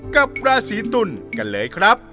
กับราศีตุลกันเลยครับ